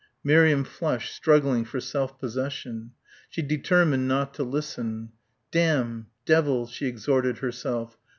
Miriam flushed, struggling for self possession. She determined not to listen.... "Damn ... Devil ..." she exhorted herself